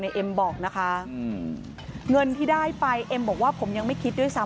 เอ็มบอกนะคะเงินที่ได้ไปเอ็มบอกว่าผมยังไม่คิดด้วยซ้ำ